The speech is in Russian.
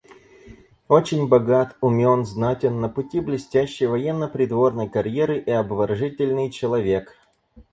Очень богат, умен, знатен, на пути блестящей военно-придворной карьеры и обворожительный человек.